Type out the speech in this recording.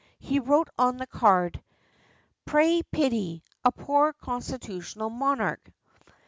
He wrote on the card, "PRAY PITY A POOR CONSTITUTIONAL MONARCH."